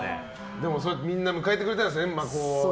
でも、みんな迎えてくれたんですね。